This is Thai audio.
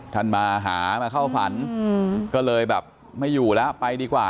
มาหามาเข้าฝันก็เลยแบบไม่อยู่แล้วไปดีกว่า